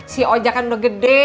si ojak kan udah gede